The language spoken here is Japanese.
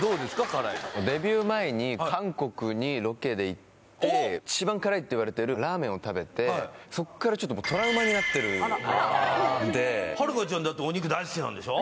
辛いのデビュー前に韓国にロケで行って一番辛いっていわれてるラーメンを食べてそっからちょっと遥ちゃんだってお肉大好きでしょ